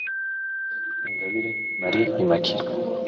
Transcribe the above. Ingabire Marie Immacullee